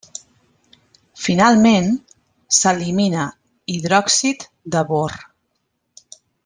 Finalment, s’elimina hidròxid de bor.